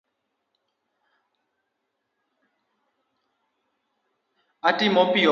Otimo piyo moinga